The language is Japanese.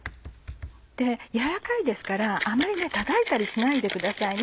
柔らかいですからあんまり叩いたりしないでください。